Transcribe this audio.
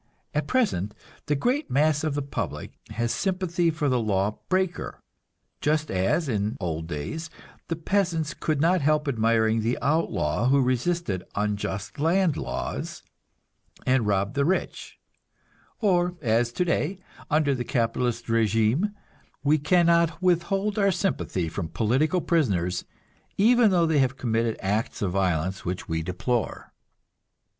At present the great mass of the public has sympathy for the law breaker; just as, in old days, the peasants could not help admiring the outlaw who resisted unjust land laws and robbed the rich, or as today, under the capitalist régime, we can not withhold our sympathy from political prisoners, even though they have committed acts of violence which we deplore.